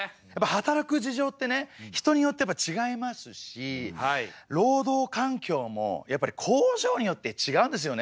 働く事情ってね人によってやっぱちがいますし労働環境もやっぱり工場によってちがうんですよね！